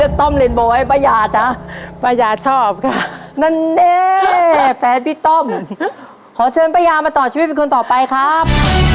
ขอเชิญประยามาต่อชีวิตเป็นคนต่อไปครับ